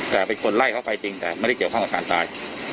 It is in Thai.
แต่เป็นคนไล่เขาไปจริงแต่ไม่ได้เกี่ยวข้องกับการตาย